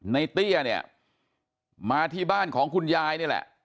เตี้ยเนี่ยมาที่บ้านของคุณยายนี่แหละ